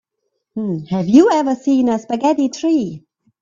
Have you ever seen a spaghetti tree?